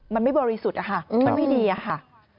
มันไม่บริสุทธิ์นะคะมันไม่ดีอะค่ะ